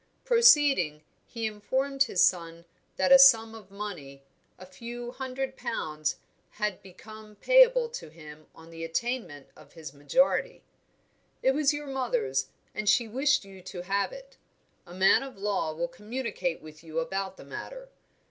Proceeding, he informed his son that a sum of money, a few hundred pounds, had become payable to him on the attainment of his majority. "It was your mother's, and she wished you to have it. A man of law will communicate with you about the matter.